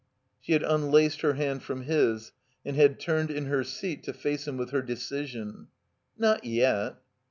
She had unlaced her hand from his, and had turned in her seat to face him with her decision. Not yet."